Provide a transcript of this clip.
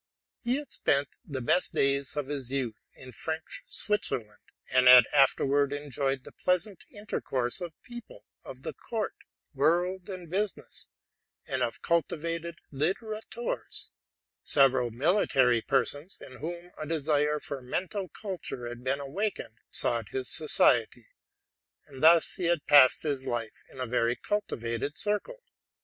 He had spent the best days of his youth i in French Switzerland, and had afterwards enjoyed the pleasant inter course of people of the court, world, and business, and of cultivated littérateurs: several military persons, in whom a desire for mental culture had been awakened, sought his society ; and thus he had passed his life in a very cultivated circle.